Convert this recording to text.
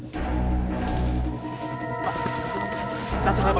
tidak ada apa apa